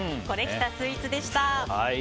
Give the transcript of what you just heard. コレきたスイーツでした。